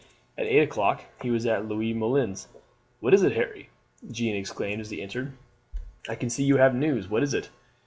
At eight o'clock he was at Louise Moulin's. "What is it, Harry?" Jeanne exclaimed as he entered. "I can see you have news. What is it?"